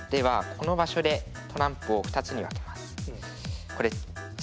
この場所でトランプを２つに分けます。